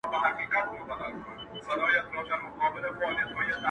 رقیبي سترګي وینمه په کور کي د مُغان!.